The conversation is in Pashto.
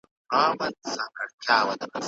تا پرون د یووالي په موضوع څه لیکلي وه؟